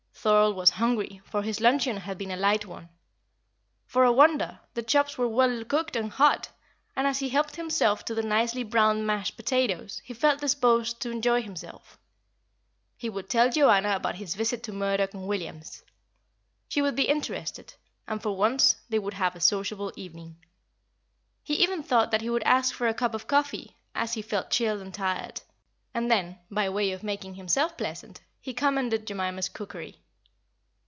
Thorold was hungry, for his luncheon had been a light one. For a wonder, the chops were well cooked and hot; and as he helped himself to the nicely browned mashed potatoes, he felt disposed to enjoy himself. He would tell Joanna about his visit to Murdoch & Williams. She would be interested; and for once they would have a sociable evening. He even thought that he would ask for a cup of coffee, as he felt chilled and tired. And then, by way of making himself pleasant, he commended Jemima's cookery.